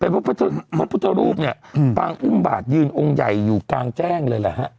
พระพุทธรูปเนี่ยปางอุ้มบาทยืนองค์ใหญ่อยู่กลางแจ้งเลยแหละฮะ